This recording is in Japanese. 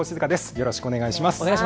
よろしくお願いします。